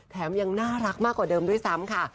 ยังน่ารักมากกว่าเดิมด้วยซ้ำค่ะ